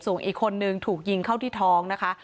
ส่วนอีกคนนึงถูกยิงเข้าที่ท้องนะคะ